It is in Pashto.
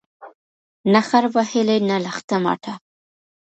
نه خر وهلی، نه لښته ماته